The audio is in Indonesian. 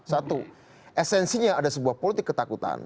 satu esensinya ada sebuah politik ketakutan